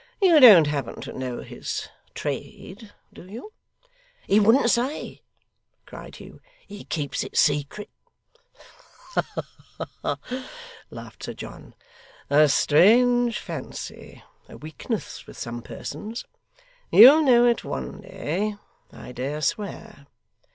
'You don't happen to know his trade, do you?' 'He wouldn't say,' cried Hugh. 'He keeps it secret.' 'Ha ha!' laughed Sir John. 'A strange fancy a weakness with some persons you'll know it one day, I dare swear.